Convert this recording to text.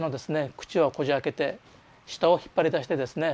口をこじあけて舌を引っ張り出してですね